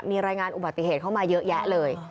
มีรายงานอุบัติเหตุเข้ามาเยอะแยะเลย